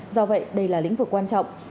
do vậy đây là lĩnh vực quan trọng